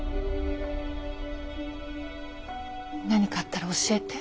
何かあったら教えて。